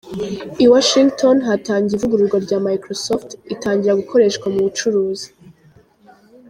I Washington hatangiye ivugururwa rya Microsoft, itangira gukoreshwa mu bucuruzi.